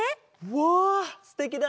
わあすてきだね！